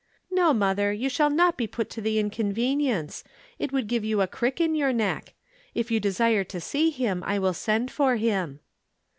"No, mother, you shall not be put to the inconvenience. It would give you a crick in your neck. If you desire to see him, I will send for him."